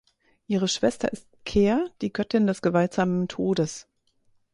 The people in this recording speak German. Ihre Schwester ist Ker, die Göttin des gewaltsamen Todes.